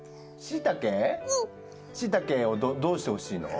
しいたけをどうしてほしいの？